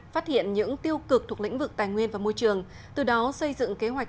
phát hiện những tiêu cực thuộc lĩnh vực tài nguyên và môi trường từ đó xây dựng kế hoạch